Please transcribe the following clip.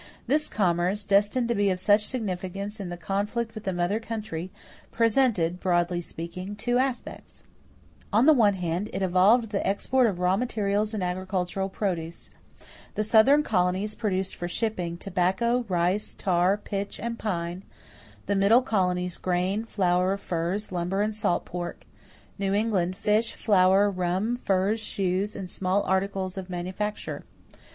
This commerce, destined to be of such significance in the conflict with the mother country, presented, broadly speaking, two aspects. On the one side, it involved the export of raw materials and agricultural produce. The Southern colonies produced for shipping, tobacco, rice, tar, pitch, and pine; the Middle colonies, grain, flour, furs, lumber, and salt pork; New England, fish, flour, rum, furs, shoes, and small articles of manufacture.